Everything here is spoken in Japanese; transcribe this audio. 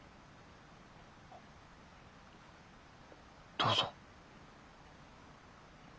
どうぞ。